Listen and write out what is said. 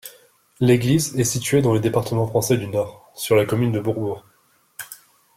L'église est située dans le département français du Nord, sur la commune de Bourbourg.